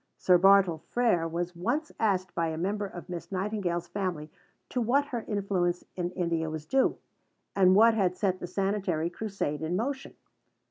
Sir Bartle Frere was once asked by a member of Miss Nightingale's family to what her influence in India was due, and what had set the sanitary crusade in motion?